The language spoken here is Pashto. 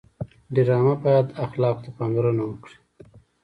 ډرامه باید اخلاقو ته پاملرنه وکړي